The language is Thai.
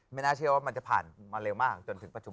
น่าเชื่อว่ามันจะผ่านมาเร็วมากจนถึงปัจจุบัน